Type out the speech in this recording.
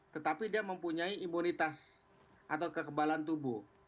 tetapi dia mempunyai imunitas atau kekebalan tubuh